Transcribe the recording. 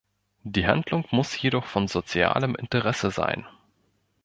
Die Handlung muss jedoch von „sozialem Interesse“ sein.